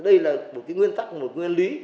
đây là một nguyên tắc một nguyên lý